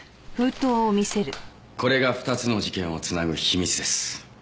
これが２つの事件を繋ぐ秘密です。